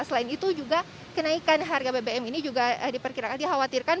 selain itu juga kenaikan harga bbm ini juga diperkirakan di hawa terbang